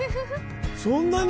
そんなに！